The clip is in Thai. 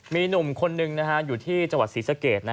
มีหนุ่มคนนึงอยู่ที่จังหวัดศรีสะเกด